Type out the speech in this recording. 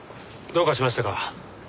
どうかしましたか？